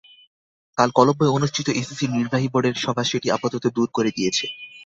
কাল কলম্বোয় অনুষ্ঠিত এসিসির নির্বাহী বোর্ডের সভা সেটি আপাতত দূর করে দিয়েছে।